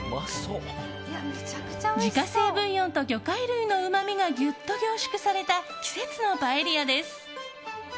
自家製ブイヨンと魚介類のうまみがギュッと凝縮された季節のパエリアです。